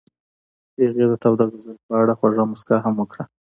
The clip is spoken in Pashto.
هغې د تاوده غزل په اړه خوږه موسکا هم وکړه.